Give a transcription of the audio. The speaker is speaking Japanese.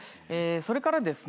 それからですね